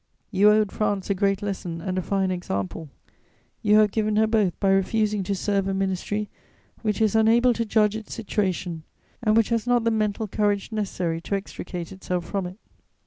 You owed France a great lesson and a fine example; you have given her both by refusing to serve a ministry which is unable to judge its situation and which has not the mental courage necessary to extricate itself from it.